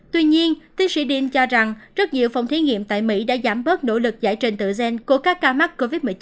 tuy nhiên tiến sĩ diam cho rằng rất nhiều phòng thí nghiệm tại mỹ đã giảm bớt nỗ lực giải trình tự gen của các ca mắc covid một mươi chín